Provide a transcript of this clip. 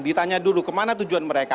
ditanya dulu kemana tujuan mereka